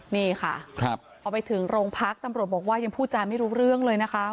นี่ค่ะพอไปถึงโรงพักตำรวจบอกว่ายังพูดจาไม่รู้เรื่องเลยนะคะ